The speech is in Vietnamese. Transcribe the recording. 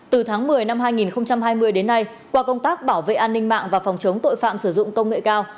từ tháng một mươi năm hai nghìn hai mươi đến nay qua công tác bảo vệ an ninh mạng và phòng chống tội phạm sử dụng công nghệ cao